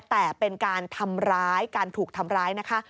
แต่เป็นการทำร้ายการถูกทำร้ายนะคะ